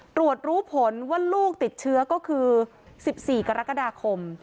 ตรวจรู้ผลว่าลูกติดเชื้อก็คือ๑๔กรกฎาคม